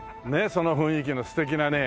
その雰囲気の素敵なね。